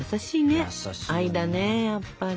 愛だねやっぱり。